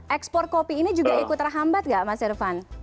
ekspor kopi ini juga ikut terhambat nggak mas irvan